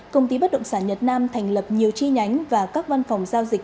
công ty bất động sản nhật nam thành lập nhiều chi nhánh và các văn phòng giao dịch